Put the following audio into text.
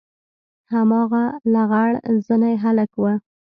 هماغه لغړ زنى هلک و.